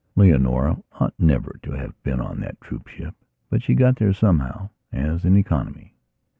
Leonora ought never to have been on that troopship; but she got there somehow, as an economy.